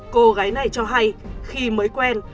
cô gái này cho hay khi mới quen